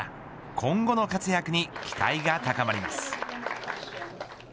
今後の活躍に期待が高まります。